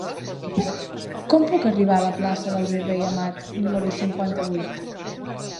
Com puc arribar a la plaça del Virrei Amat número cinquanta-vuit?